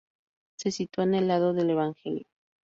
Se sitúa en el lado del evangelio.